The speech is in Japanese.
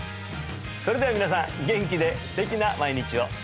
それでは皆さん元気で素敵な毎日を！